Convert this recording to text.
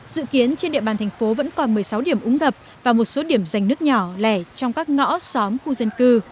dự kiến trên địa bàn thành phố vẫn còn một mươi sáu điểm úng ngập và một số điểm giành nước nhỏ lẻ trong các ngõ xóm khu dân cư